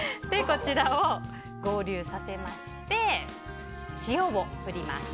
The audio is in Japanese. こちらを合流させまして塩を振ります。